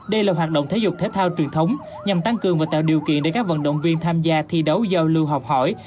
đây là hoạt động thể dục thể thao truyền thống nhằm tăng cường và tạo điều kiện để các vận động viên tham gia thi đấu giao lưu học hỏi